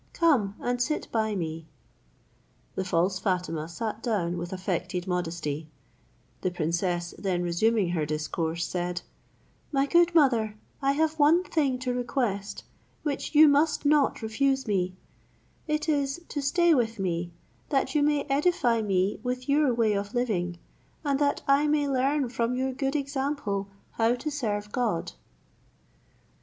Come, and sit by me." The false Fatima sat down with affected modesty: the princess then resuming her discourse, said, "My good mother, I have one thing to request, which you must not refuse me; it is to stay with me, that you may edify me with your way of living; and that I may learn from your good example how to serve God."